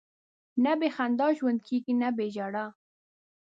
نه بې خندا ژوند کېږي، نه بې ژړا.